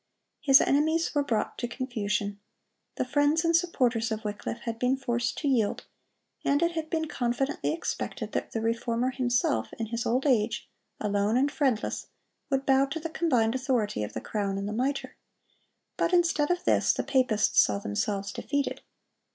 His enemies were brought to confusion. The friends and supporters of Wycliffe had been forced to yield, and it had been confidently expected that the Reformer himself, in his old age, alone and friendless, would bow to the combined authority of the crown and the mitre. But instead of this the papists saw themselves defeated.